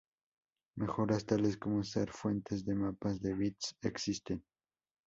Mejoras, tales como usar fuentes de mapas de bits, existen.